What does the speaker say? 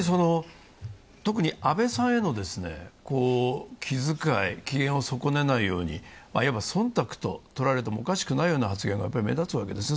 特に安倍さんへの気遣い、機嫌を損ねないようにいわばそんたくととられてもおかしくないような発言が目立つわけですね。